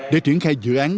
để triển khai dự án